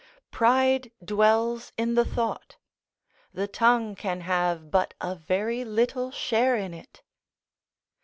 Pride dwells in the thought; the tongue can have but a very little share in it.